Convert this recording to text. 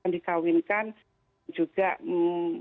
dikawinkan juga mengetahui antara